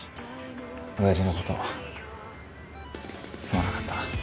おやじのことすまなかった。